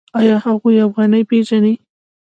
آیا هغوی افغانۍ پیژني؟